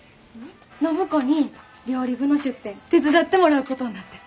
暢子に料理部の出店手伝ってもらうことになって。